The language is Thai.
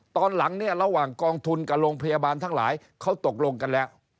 ตอนหลังเนี่ยระหว่างกองทุนกับโรงพยาบาลทั้งหลายเขาตกลงกันแล้ว